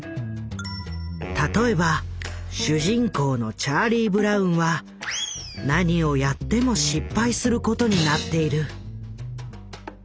例えば主人公のチャーリー・ブラウンは何をやっても失敗することになっている。